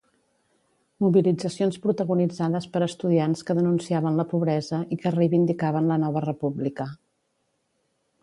Mobilitzacions protagonitzades per estudiants que denunciaven la pobresa i que reivindicaven la nova república